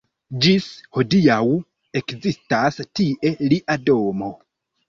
Ĝis hodiaŭ ekzistas tie lia domo.